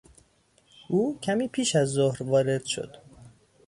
او کمی پیش از ظهر وارد شد.